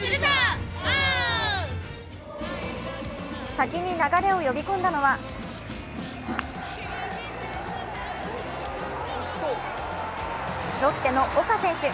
先に流れを呼び込んだのはロッテの岡選手。